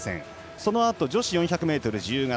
そのあと、女子４００ｍ自由形。